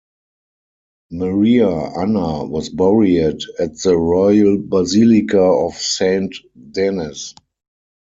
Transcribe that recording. Maria Anna was buried at the Royal Basilica of Saint Denis.